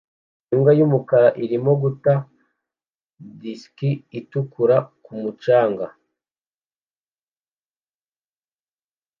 Imbwa y'umukara irimo guta disiki itukura ku mucanga